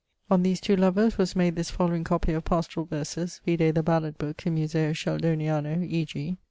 On these two lovers was made this following copie of pastorall verses (vide the ballad booke in Museo Sheldoniano), e.g.